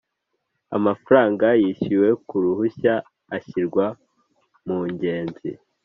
Amafaranga yishyuwe ku ruhushya ashyirwa Mungenzi